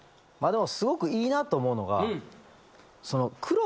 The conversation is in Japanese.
すごくいいなと思うのが。